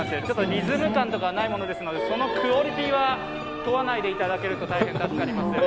リズム感とかないですのでクオリティーは問わないでいただけると大変助かりますね。